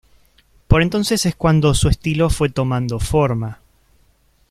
Por entonces es cuando su estilo fue tomando forma.